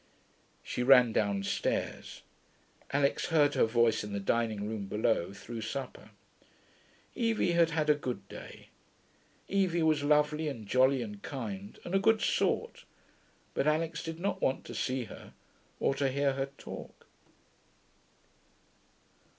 She ran downstairs. Alix heard her voice in the dining room below, through supper. Evie had had a good day. Evie was lovely, and jolly, and kind, and a good sort, but Alix did not want to see her, or to hear her talk.